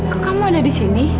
kok kamu ada disini